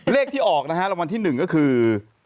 เลขที่ออกนะฮะรางวัลที่๑ก็คือ